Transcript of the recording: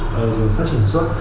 rồi phát triển xuất